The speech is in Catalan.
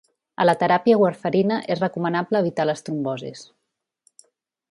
A la teràpia warfarina és recomanable evitar les trombosis.